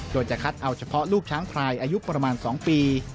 โดยจะคัดเอาเฉพาะลูกช้างพลายอายุประมาณ๒ปี